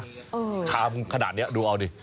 ชามขนาดนี้ดูเอาดิ